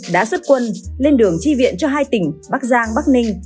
đã xuất quân lên đường chi viện cho hai tỉnh bắc giang bắc ninh